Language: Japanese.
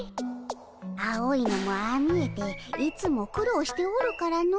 青いのもああ見えていつもくろうしておるからの。